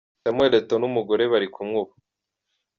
Samuel Eto'o n'umugore bari kumwe ubu.